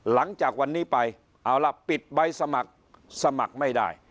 หลังจากวันนี้ไปเอาล่ะปิดใบสมัครสมัครไม่ได้